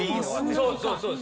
そうそう。